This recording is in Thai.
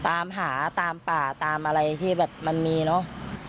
ตามหาตามป่าตามอะไรที่แบบมันมีเนอะ